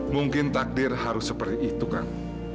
mungkin takdir harus seperti itu kang